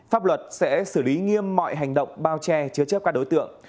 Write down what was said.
pháp luật sẽ xử lý nghiêm mọi hành động bao che chứa chấp các đối tượng